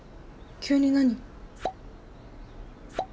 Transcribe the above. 急に何？